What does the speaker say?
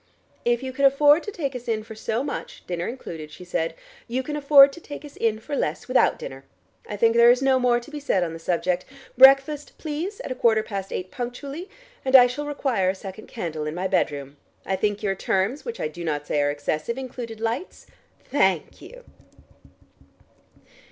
"If you can afford to take us in for so much, dinner included," she said, "you can afford to take us in for less without dinner. I think there is no more to be said on the subject. Breakfast, please, at a quarter past eight punctually and I shall require a second candle in my bedroom. I think your terms, which I do not say are excessive, included lights? Thank you!"